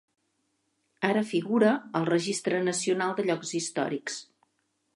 Ara figura al Registre nacional de llocs històrics.